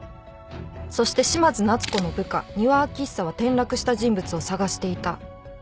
そして嶋津奈都子の部下丹羽昭久は転落した人物を捜していた。